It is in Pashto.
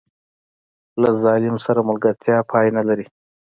له ظالم سره ملګرتیا پای نه لري.